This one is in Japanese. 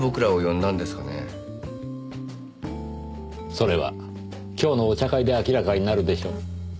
それは今日のお茶会で明らかになるでしょう。